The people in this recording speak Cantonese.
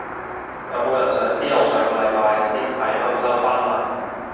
有冇人想知我上個禮拜先喺歐洲返嚟？